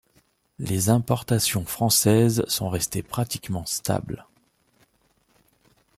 Les importations françaises sont restées pratiquement stables.